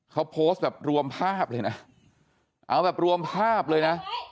เขาโพสต์แบบรวมภาพเลยนะเอาแบบรวมภาพเลยนะ